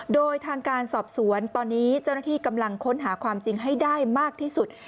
โดยทางการสอบสวนตอนนี้เจ้าหน้าที่กำลังค้นหาความจริงให้ได้มากที่สุด